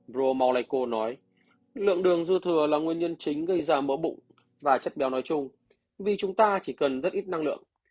bromolico nói lượng đường dư thừa là nguyên nhân chính gây giảm mỡ bụng và chất béo nói chung vì chúng ta chỉ cần rất ít năng lượng